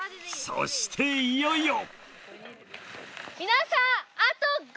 そしていよいよ！